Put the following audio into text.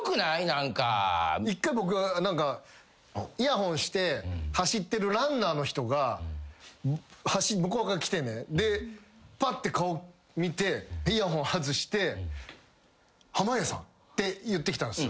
一回僕イヤホンして走ってるランナーの人が向こうから来てねぱって顔見てイヤホン外して。って言ってきたんすよ。